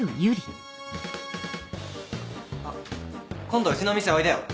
あっ今度うちの店おいでよ。